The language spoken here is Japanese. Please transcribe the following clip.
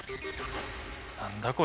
何だこれ？